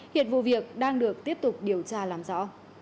hiện vụ việc đang được tiếp tục điều tra làm rõ